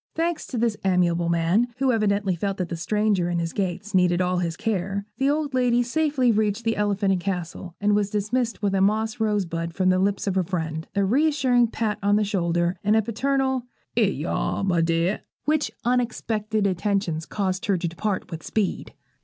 Thanks to this amiable man, who evidently felt that the stranger in his gates needed all his care, the old lady safely reached the Elephant and Castle, and was dismissed with a moss rose bud from the lips of her friend, a reassuring pat on the shoulder, and a paternal ''Ere yer are, my dear,' which unexpected attentions caused her to depart with speed.